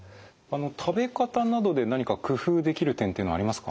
食べ方などで何か工夫できる点っていうのはありますか？